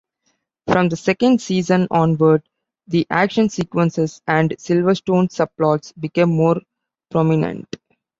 From the second season onward, the action sequences and Silverstone subplots became more prominent.